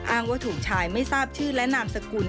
ว่าถูกชายไม่ทราบชื่อและนามสกุล